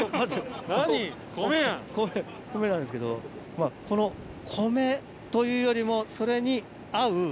米なんですけどこの米というよりも。